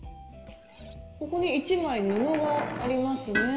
ここに一枚布がありますね。